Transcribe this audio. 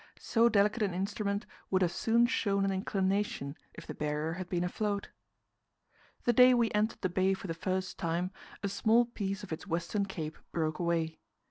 So delicate an instrument would have soon shown an inclination if the Barrier had been afloat. The day we entered the bay for the first time, a small piece of its western cape broke away.